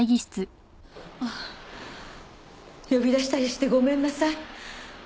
呼び出したりしてごめんなさい。